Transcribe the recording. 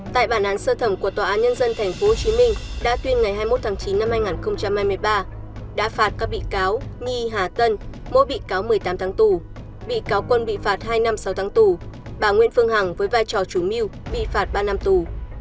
tại bản án sơ thẩm của tòa án nhân dân tp hcm đã tuyên ngày hai mươi một tháng chín năm hai nghìn hai mươi ba đã phạt các bị cáo nhi hà tân mỗi bị cáo một mươi tám tháng tù bị cáo quân bị phạt hai năm sáu tháng tù bà nguyễn phương hằng với vai trò chủ mưu bị phạt ba năm tù